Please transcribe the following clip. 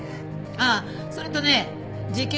ああそれとね事件